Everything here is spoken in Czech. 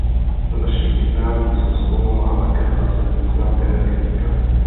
V našich jednáních s Moskvou má také zásadní význam energetika.